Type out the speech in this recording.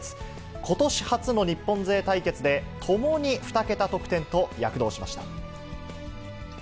ことし初の日本勢対決で、共に２桁得点と、躍動しました。